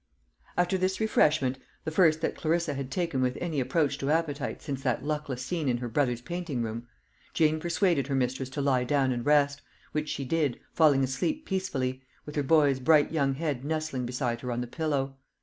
After this refreshment the first that Clarissa had taken with any approach to appetite since that luckless scene in her brother's painting room Jane persuaded her mistress to lie down and rest, which she did, falling asleep peacefully, with her boy's bright young head nestling beside her on the pillow.